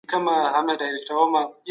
خشکيار او شاترينه په خپلو کي مينه کوله.